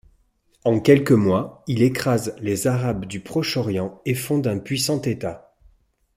En quelques mois, il écrase les Arabes du Proche-Orient et fonde un puissant État.